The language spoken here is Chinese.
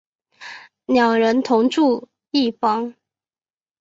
两人同住一房。